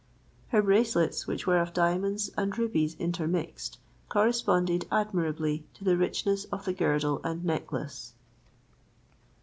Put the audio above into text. Her bracelets, which were of diamonds and rubies intermixed, corresponded admirably to the richness of the girdle and necklace.